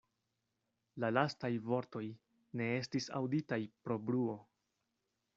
La lastaj vortoj ne estis aŭditaj pro bruo.